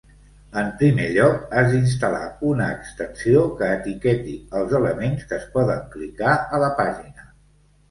En primer lloc, has d'instal·lar una extensió que etiqueti els elements que es poden clicar a la pàgina.